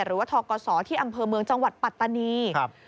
ทกศที่อำเภอเมืองจังหวัดปัตตานี